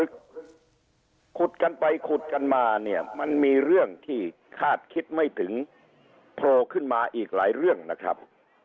คือขุดกันไปขุดกันมาเนี่ยมันมีเรื่องที่คาดคิดไม่ถึงโผล่ขึ้นมาอีกหลายเรื่องนะครับ